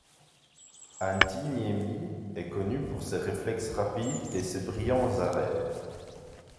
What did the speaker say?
Antti Niemi est connu pour ses réflexes rapides et ses brillants arrêts.